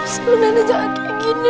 sebenarnya jangan kayak gini nenek